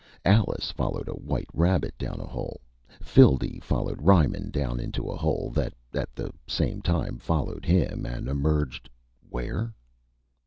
Alice followed a white rabbit down a hole. Phildee followed Reimann down into a hole that, at the same time, followed him, and emerged where?